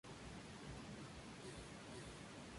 Se encuentra en Malasia, Sumatra, Java y Borneo.